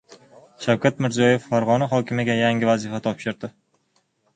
Shavkat Mirziyoyev Farg‘ona hokimiga yangi vazifa topshirdi